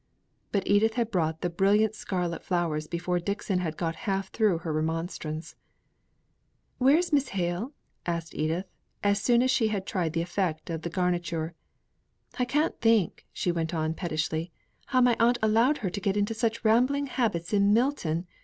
But Edith had brought the brilliant scarlet flowers before Dixon had got half through her remonstrance. "Where is Miss Hale?" asked Edith, as soon as she had tried the effect of the garniture. "I can't think," she went on, pettishly, "how my aunt allowed her to get into such rambling habits in Milton!